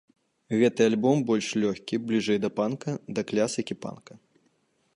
Гэты альбом больш лёгкі, бліжэй да панка, да класікі панка.